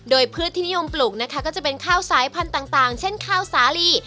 โดยพืชที่นิยมปลูกนะคะก็จะเป็นข้าวสายพันธุ์ต่างเช่นข้าวสาลี